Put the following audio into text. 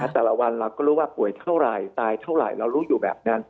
แต่ละวันเราก็รู้ว่าป่วยเท่าไหร่ตายเท่าไหร่เรารู้อยู่แบบนั้น